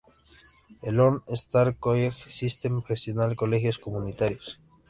El "Lone Star College System" gestiona colegios comunitarios.